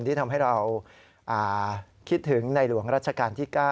ที่ทำให้เราคิดถึงในหลวงรัชกาลที่๙